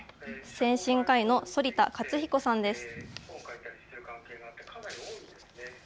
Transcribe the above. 精神科医の反田克彦さんです。